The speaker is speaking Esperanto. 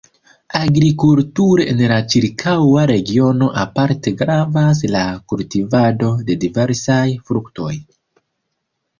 Agrikulture en la ĉirkaŭa regiono aparte gravas la kultivado de diversaj fruktoj.